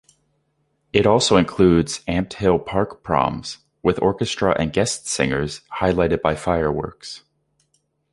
It also includes "Ampthill Park Proms", with orchestra and guest singers, highlighted by fireworks.